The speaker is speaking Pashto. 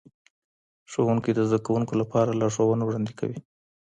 ښوونکي د زدهکوونکو لپاره لارښوونه وړاندی کوي.